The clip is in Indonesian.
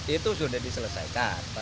itu sudah diselesaikan